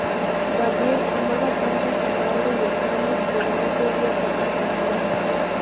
Gabriel amaba tanto a su padre y hermanos, pero no podía tomar partido.